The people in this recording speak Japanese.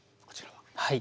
はい。